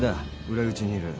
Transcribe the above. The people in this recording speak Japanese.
裏口にいる